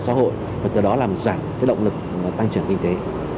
xã hội và từ đó làm giảm cái động lực tăng trưởng kinh tế